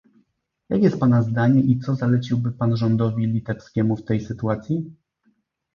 Jakie jest pana zdanie i co zaleciłby pan rządowi litewskiemu w tej sytuacji?